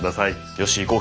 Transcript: よし行こう